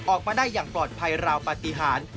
ออกมาได้อย่างปลอดภัยราวปฏิหาร